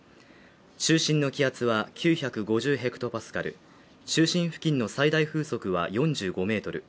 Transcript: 中心の気圧は９５０ｈＰａ中心付近の最大風速は４５メートル